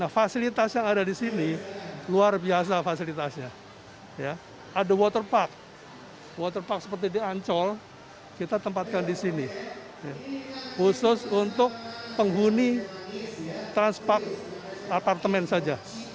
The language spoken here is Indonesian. fasilitas yang ada di sini luar biasa fasilitasnya ada waterpark waterpark seperti di ancol kita tempatkan di sini khusus untuk penghuni transpak apartemen saja